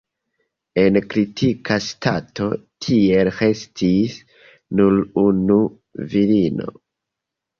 En kritika stato tiel restis nur unu virino.